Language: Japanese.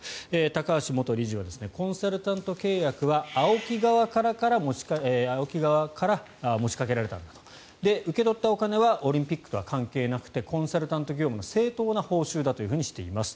高橋元理事はコンサルタント契約はＡＯＫＩ側から持ちかけられたんだと。受け取ったお金はオリンピックは関係なくてコンサルタント業務の正当な報酬だとしています。